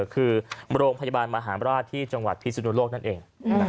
คือโรงพยาบาลมหาราชที่จังหวัดพิสุนุโลกนั่นเอง